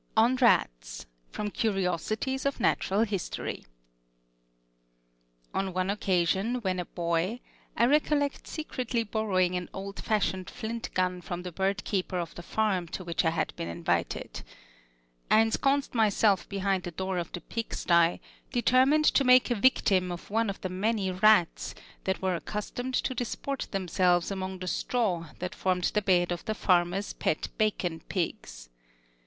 ON RATS From 'Curiosities of Natural History' On one occasion, when a boy, I recollect secretly borrowing an old fashioned flint gun from the bird keeper of the farm to which I had been invited. I ensconced myself behind the door of the pig sty, determined to make a victim of one of the many rats that were accustomed to disport themselves among the straw that formed the bed of the farmer's pet bacon pigs.